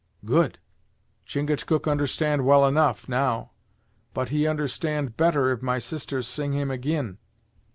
"Good Chingachgook understand well enough, now; but he understand better if my sister sing him ag'in."